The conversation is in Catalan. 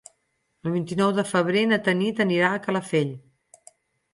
El vint-i-nou de febrer na Tanit anirà a Calafell.